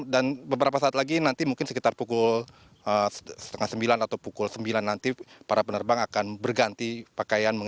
dan beberapa saat lagi nanti mungkin sekitar pukul setengah sembilan atau pukul sembilan nanti para penerbang akan berganti pakaian